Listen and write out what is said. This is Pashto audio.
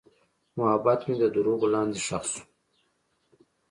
محبت مې د دروغو لاندې ښخ شو.